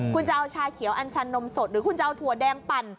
คุณจะเอาชาเขียวอัญชันนมสดหรือคุณจะเอาถั่วแดงปั่น